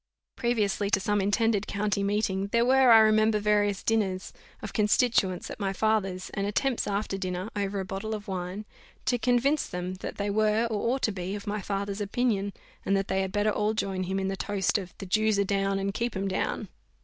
Previously to some intended county meeting, there were, I remember, various dinners of constituents at my father's, and attempts after dinner, over a bottle of wine, to convince them, that they were, or ought to be, of my father's opinion, and that they had better all join him in the toast of "The Jews are down, and keep 'em down."